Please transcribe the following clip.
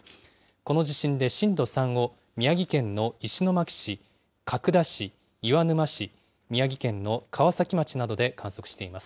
この地震で震度３を宮城県の石巻市、角田市、岩沼市、宮城県のかわさき町などで観測しています。